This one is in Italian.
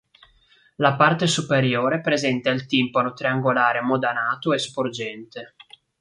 La parte superiore presenta il timpano triangolare modanato e sporgente.